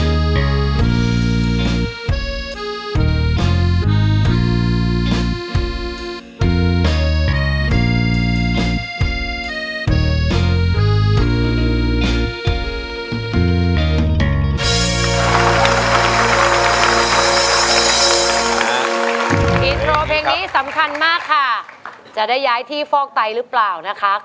อินโทรเพลงนี้สำคัญมากค่ะจะได้ย้ายที่ฟอกไตหรือเปล่านะคะ